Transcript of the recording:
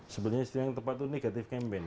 sebenarnya yang tepat itu negatif campaign